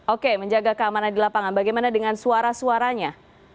oke menjaga keamanan di lapangan bagaimana dengan suara suaranya